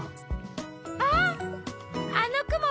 あっあのくも